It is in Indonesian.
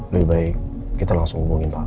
lebih baik kita langsung hubungin pak